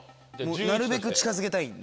なるべく近づけたいんで。